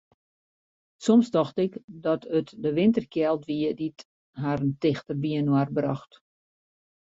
Soms tocht ik dat it de winterkjeld wie dy't harren tichter byinoar brocht.